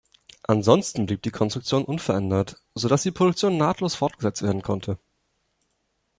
Ansonsten blieb die Konstruktion unverändert, so dass die Produktion nahtlos fortgesetzt werden konnte.